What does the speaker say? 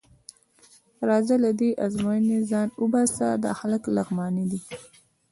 راځه له دې ازموینې ځان وباسه، دا هلک لغمانی دی.